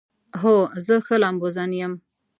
هو، زه ښه لامبوزن یم